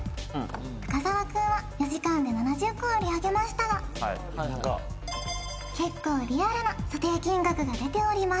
深澤くんは４時間で７０個を売り上げましたが結構リアルな査定金額が出ております